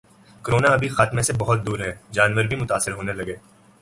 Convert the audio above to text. ’corona ابھی خاتمے سے بہت دور ہے‘ جانور بھی متاثر ہونے لگے